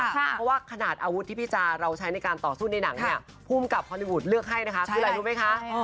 เพราะว่าขนาดอาวุธที่พี่จาเราใช้ในการต่อสู้ในหนังเนี่ยภูมิกับฮอลลีวูดเลือกให้นะคะคืออะไรรู้ไหมคะ